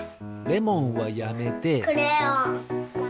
レモンはやめて。